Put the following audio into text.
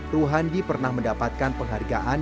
ruhandi pernah mendapatkan penghargaan